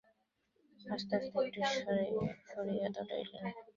আস্তে আস্তে একটু সরিয়া দাঁড়াইলেন।